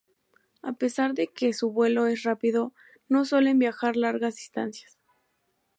A pesar de que su vuelo es rápido, no suelen viajar largas distancias.